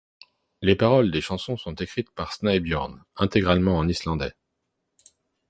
Les paroles des chansons sont écrites par Snæbjörn, intégralement en islandais.